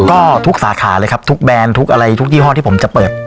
ก็ทุกสาขาเลยครับทุกแบรนด์ทุกอะไรทุกยี่ห้อที่ผมจะเปิด